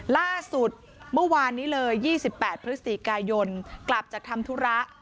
ล่าสุดเมื่อวานนี้เลย๒๘พฤศจิกายนกลับจากทำธุระ